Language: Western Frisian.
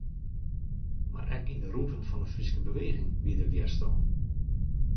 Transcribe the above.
Mar ek yn de rûnten fan de Fryske beweging wie der wjerstân.